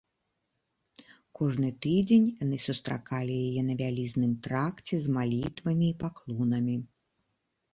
Кожны тыдзень яны сустракалі яе на вялізным тракце з малітвамі і паклонамі.